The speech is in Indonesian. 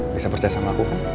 bisa percaya sama aku